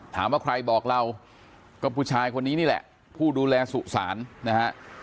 ถามว่าใครบอกเราก็ผู้ชายคนนี้นี่แหละผู้ดูแลสุสานนะฮะ